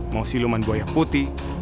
mau sinuman buaya putih